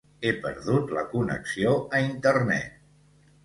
He perdut la connecció a internet.